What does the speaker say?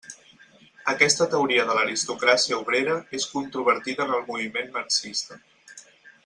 Aquesta teoria de l'aristocràcia obrera és controvertida en el moviment marxista.